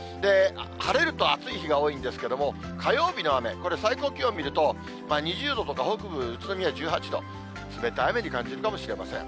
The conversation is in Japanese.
晴れると暑い日が多いんですけれども、火曜日の雨、これ、最高気温見ると、２０度とか、北部、宇都宮１８度、冷たい雨に感じるかもしれません。